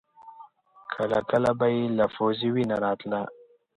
کله کله به يې له پزې وينه راتله.